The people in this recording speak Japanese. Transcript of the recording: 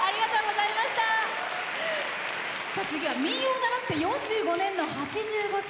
次は民謡を習って４５年の８５歳。